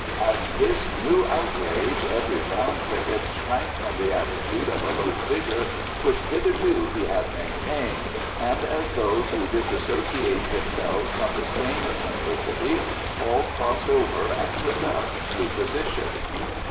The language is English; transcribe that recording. At this new outrage every brown cricket shrank from the attitude of alert vigour which hitherto he had maintained, and as though to disassociate themselves from the stain of complicity all crossed over and took up new positions.